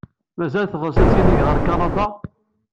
Mazal teɣs ad tinig ɣer Kanada?